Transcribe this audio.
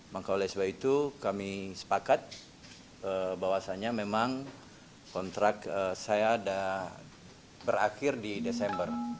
maka oleh sebab itu kami sepakat bahwasannya memang kontrak saya berakhir di desember